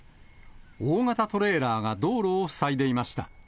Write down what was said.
大型トレーラーが道路を塞いでいました。